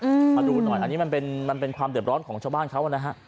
มาดูหน่อยอันนี้มันเป็นมันเป็นความเดือบร้อนของชาวบ้านเขานะฮะ